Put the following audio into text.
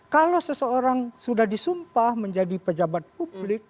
kalau seseorang sudah disumpah menjadi pejabat publik